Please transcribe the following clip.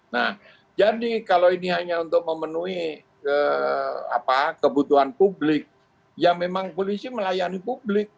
nah jadi kalau ini hanya untuk memenuhi kebutuhan publik ya memang polisi melayani publik